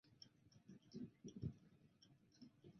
野雉尾金粉蕨为中国蕨科金粉蕨属下的一个种。